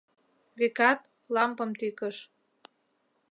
Векат, лампым тӱкыш.